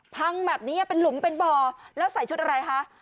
พังแบบนี้เป็นหลุมเป็นบ่อแล้วใส่ชุดอะไรคะ